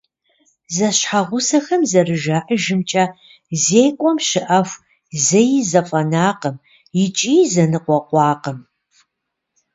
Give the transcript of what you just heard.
Зэщхьэгъусэхэм зэрыжаӏэжымкӏэ, зекӏуэм щыӏэху зэи зэфӏэнакъым икӏи зэныкъуэкъуакъым.